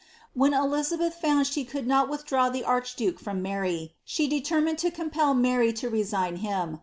"' When Elizabeth found she could not withdraw the archduke from Haiy she determined to compel Mary lo resign him.